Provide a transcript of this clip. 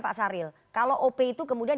pak saril kalau op itu kemudian